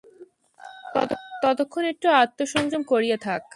ততক্ষণ একটু আত্মসংযম করিয়া থাক!